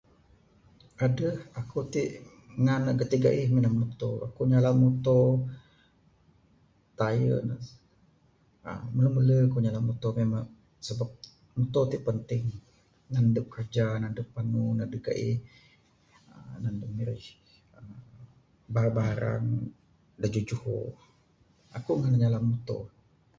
Adeh aku ti ngan ne gatik gaih minan muto...aku nyalan muto tayen ne...[uhh] mele-mele ku nyalan muto mbuh en mbuh...sabab muto ti penting tinan adep kiraja, tinan adep panu, tinan adep gaih, tinan adep mirih barang-barang da juho-juho...aku ngan nyalan muto.